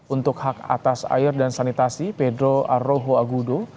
untuk hak atas air dan sanitasi pedro arogo agudo